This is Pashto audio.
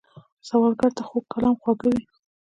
سوالګر ته خوږ کلام خواږه وي